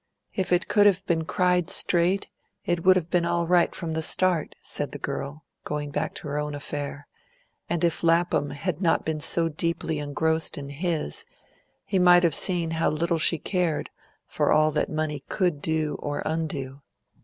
If it could have been cried straight, it would have been all right from the start," said the girl, going back to her own affair; and if Lapham had not been so deeply engrossed in his, he might have seen how little she cared for all that money could do or undo.